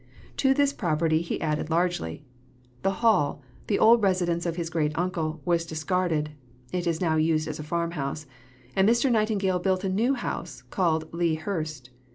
To this property he added largely. The Hall, the old residence of his great uncle, was discarded (it is now used as a farm house), and Mr. Nightingale built a new house, called Lea Hurst.